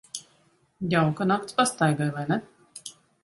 Jauka nakts pastaigai, vai ne?